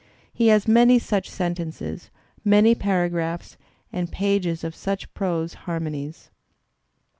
He has many such sentences, many paragraphs and pages of such prose harmonies.